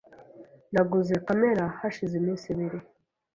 Naguze kamera hashize iminsi ibiri .